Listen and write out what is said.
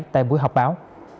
tại buổi họp báo